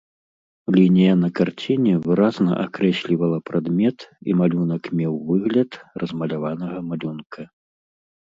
Лінія на карціне выразна акрэслівала прадмет, і малюнак меў выгляд размаляванага малюнка.